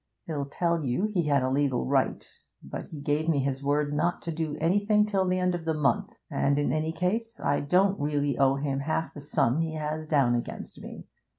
He'll tell you he had a legal right. But he gave me his word not to do anything till the end of the month. And, in any case, I don't really owe him half the sum he has down against me.